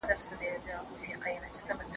ایا د ونو د پاڼو شین رنګ ذهن ته ارامي ورکوي؟